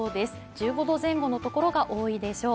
１５度前後の所が多いでしょう。